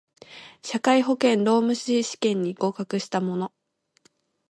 社会保険労務士試験に合格した者